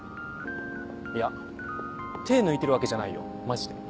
いや手抜いてるわけじゃないよマジで。